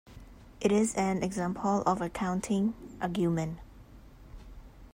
It is an example of a counting argument.